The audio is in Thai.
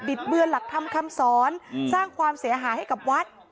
เบือนหลักธรรมคำสอนสร้างความเสียหายให้กับวัด